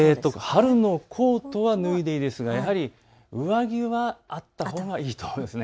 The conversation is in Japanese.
春のコートは脱いでいいですが上着はあったほうがよさそうです。